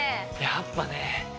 やっぱね